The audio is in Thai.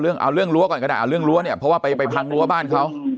เอาเรื่องรั้วก่อนก็ได้เอาเรื่องรั้วเนี่ยเพราะว่าไปพังรั้วบ้านเขา